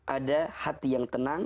ada hati yang tenang